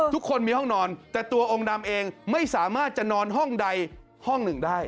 ทุกคนมีห้องนอนแต่ตัวองค์ดำเองไม่สามารถจะนอนห้องใดห้องหนึ่งได้